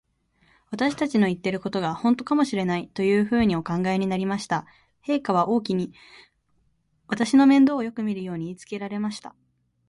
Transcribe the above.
私たちの言ってることが、ほんとかもしれない、というふうにお考えになりました。陛下は王妃に、私の面倒をよくみるように言いつけられました。